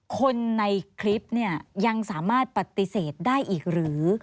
คนในคลิปเนี่ยยังสามารถปฏิเสธได้อีกหรือ